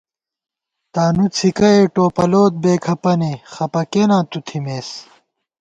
تانُو څھِکَئے ٹوپَلوت، بےکھپَنے، خپہ کېناں تُو تھِمېس